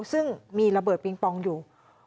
ซึ่งมีระเบิดปิงปองอยู่